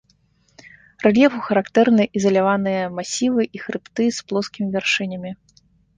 Рэльефу характэрны ізаляваныя масівы і хрыбты з плоскімі вяршынямі.